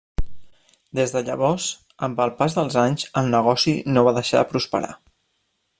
Des de llavors, amb el pas dels anys, el negoci no va deixar de prosperar.